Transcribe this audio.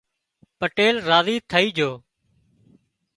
پٽيل راضي ٿئي جھو